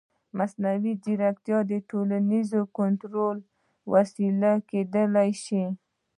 مصنوعي ځیرکتیا د ټولنیز کنټرول وسیله کېدای شي.